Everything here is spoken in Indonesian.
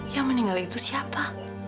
yang meninggal itu siapa